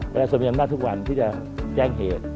แสดงเป็นอำนาทุกวันที่จะแจ้งเหตุ